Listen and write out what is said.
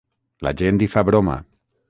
La gent hi fa broma.